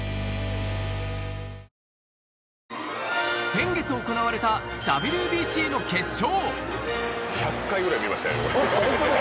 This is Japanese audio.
先月行われたＷＢＣの決勝